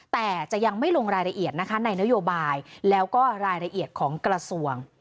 แต่จะยังไม่ลงรายละเอียดนะคะในนโยบายแล้วก็รายละเอียดของกระทรวง